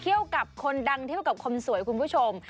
กับคนดังเที่ยวกับคนสวยคุณผู้ชม